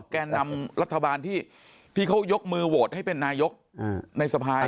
แกนนำรัฐบาลที่เขายกมือโหวตให้เป็นนายกในสภา